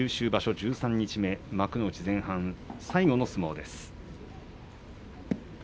十三日目幕内前半最後の相撲です。